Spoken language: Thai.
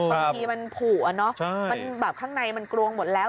บางทีมันผู่อะมันแบบข้างในมันกรวงหมดแล้ว